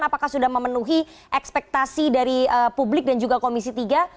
apakah sudah memenuhi ekspektasi dari publik dan juga komisi tiga